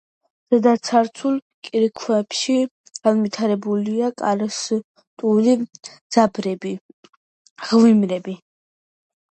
ზედაცარცულ კირქვებში განვითარებულია კარსტული ძაბრები, მღვიმეები.